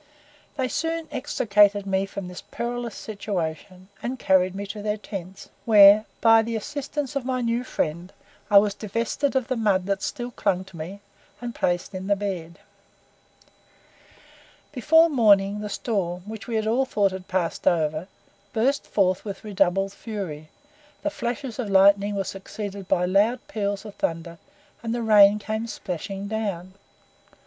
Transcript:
They soon extricated me from this perilous situation, and carried me to their tents, where, by the assistance of my new friend, I was divested of the mud that still clung to me, and placed into bed. Before morning the storm, which we all thought had passed over, burst forth with redoubled fury; the flashes of lightning were succeeded by loud peals of thunder, and the rain came splashing down.